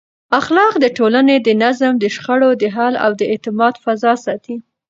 اخلاق د ټولنې د نظم، د شخړو د حل او د اعتماد فضا ساتي.